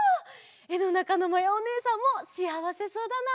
えのなかのまやおねえさんもしあわせそうだな。